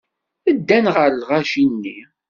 Ɛeddan gar lɣaci-nni.